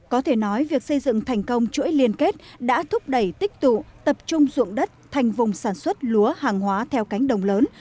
có thể nói việc xây dựng thành công chuỗi liên kết đã thúc đẩy tích tụ tập trung dụng đất thành vùng sản xuất lúa hàng hóa theo cánh đồng lớn